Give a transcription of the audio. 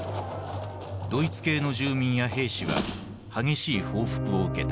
ドイツ系の住民や兵士は激しい報復を受けた。